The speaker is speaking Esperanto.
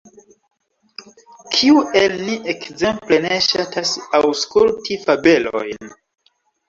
Kiu el ni ekzemple ne ŝatas aŭskulti fabelojn?